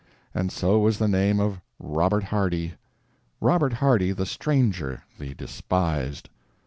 And so was the name of Robert Hardy—Robert Hardy, the stranger, the despised.